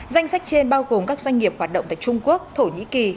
danh sách trên bao gồm các doanh nghiệp hoạt động tại trung quốc thổ nhĩ kỳ